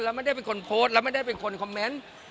ไม่ได้เป็นคนโพสต์แล้วไม่ได้เป็นคนคอมเมนต์